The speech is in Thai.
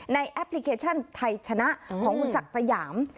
ในแอปพลิเคชันไทยชนะของสักสยาม